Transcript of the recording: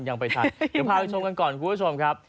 ยังไปทันเดี๋ยวพาคุณผู้ชมกันก่อนครับ